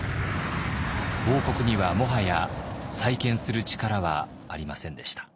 王国にはもはや再建する力はありませんでした。